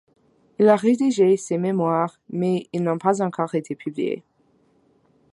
Il a rédigé ses mémoires, mais ils n'ont pas encore été publiés.